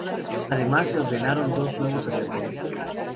Además, se ordenaron dos nuevos sacerdotes.